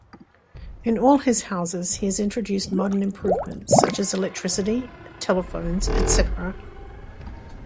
In all his houses he has introduced modern improvements, such as electricity, telephones, etc.